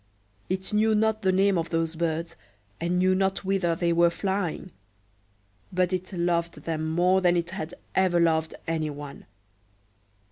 It knew not the name of those birds, and knew not whither they were flying; but it loved them more than it had ever loved any one.